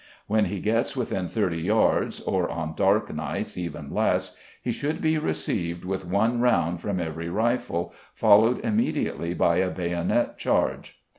When he gets within 30 yards, or on dark nights even less, he should be received with one round from every rifle, followed immediately by a bayonet charge.